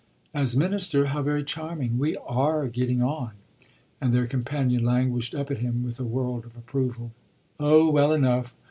"As minister how very charming! We are getting on." And their companion languished up at him with a world of approval. "Oh well enough.